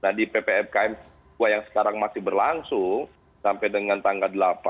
nah di ppkm dua yang sekarang masih berlangsung sampai dengan tanggal delapan